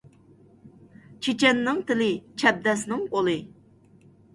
چېچەننىڭ تىلى ، چەبدەسنىڭ قولى